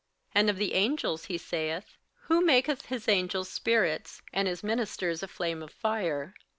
58:001:007 And of the angels he saith, Who maketh his angels spirits, and his ministers a flame of fire.